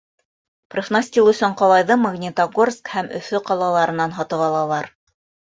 Профнастил өсөн ҡалайҙы Магнитогорск һәм Өфө ҡалаларынан һатып алалар.